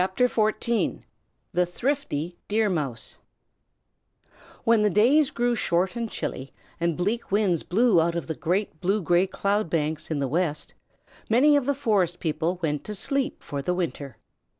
THE THRIFTY DEER MOUSE When the days grew short and chilly, and bleak winds blew out of the great blue gray cloud banks in the west, many of the forest people went to sleep for the winter.